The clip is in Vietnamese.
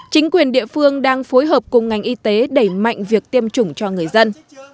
chính quyền địa phương đang phối hợp cùng ngành y tế đẩy mạnh việc tiêm chủng cho người dân